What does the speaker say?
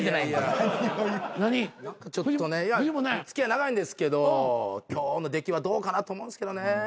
付き合い長いんですけど今日の出来はどうかなと思うんですけどね。